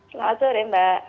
selamat sore mbak